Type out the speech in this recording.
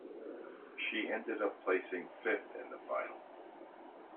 She ended up placing fifth in the final.